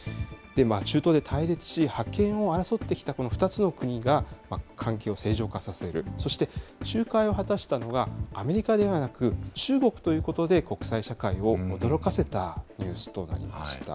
中東で対立し、覇権を争ってきた２つの国が関係を正常化させる、そして仲介を果たしたのが、アメリカではなく、中国ということで、国際社会を驚かせたニュースとなりました。